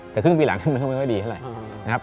แต่ครึ่งปีหลังก็ไม่ว่าดีเท่าไร